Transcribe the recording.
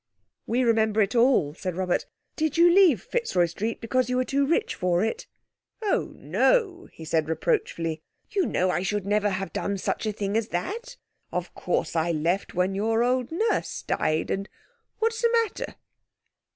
"We remember it all," said Robert. "Did you leave Fitzroy Street because you were too rich for it?" "Oh, no!" he said reproachfully. "You know I should never have done such a thing as that. Of course, I left when your old Nurse died and—what's the matter!"